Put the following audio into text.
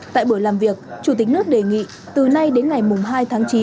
tại buổi làm việc chủ tịch nước đề nghị từ nay đến ngày hai tháng chín